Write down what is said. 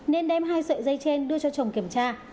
nên đem hai sợi dây trên đưa cho chồng kiểm tra